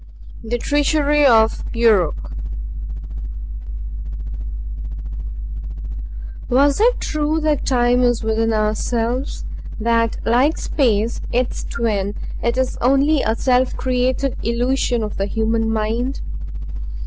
THE TREACHERY OF YURUK Was it true that Time is within ourselves that like Space, its twin, it is only a self created illusion of the human mind?